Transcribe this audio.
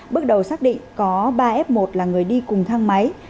bước đầu xác định có ba f một là người đi cùng thang máy